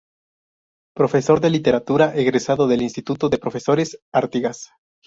Profesor de Literatura egresado del Instituto de Profesores Artigas.